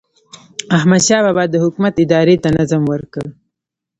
احمدشاه بابا د حکومت ادارې ته نظم ورکړ.